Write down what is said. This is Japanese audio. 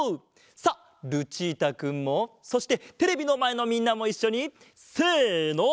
さあルチータくんもそしてテレビのまえのみんなもいっしょにせの。